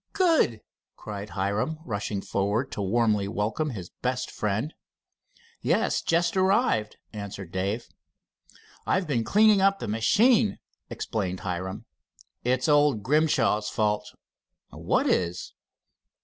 Good!" cried Hiram, rushing forward to warmly welcome his best friend. "Yes, just arrived," answered Dave. "I've been cleaning up the machine," explained Hiram. "It's old Grimshaw's fault." "What is?"